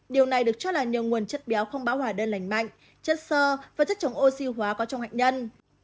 điều này được cho là nhiều nguồn chất béo không bão hỏa đơn lành mạnh chất sơ và chất chống oxy hóa có trong hạnh nhân